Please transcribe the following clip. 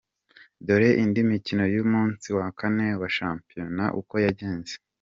Dore indi mikino y’umunsi wa kane wa shampiyona uko Yagenze:.